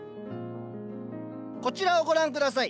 こちらをご覧下さい。